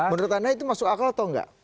menurut anda itu masuk akal atau enggak